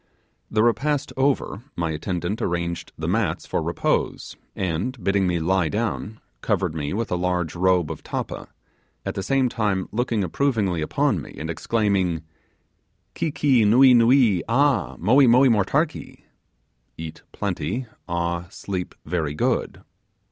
The repast over, my attendant arranged the mats for repose, and, bidding me lie down, covered me with a large robe of tappa, at the same time looking approvingly upon me, and exclaiming 'Ki Ki, nuee nuee, ah! moee moee motarkee' (eat plenty, ah! sleep very good).